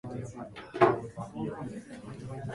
いまや、その頃の面影はなかった